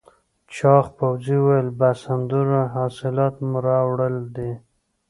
چاغ پوځي وویل بس همدومره حاصلات مو راوړل دي؟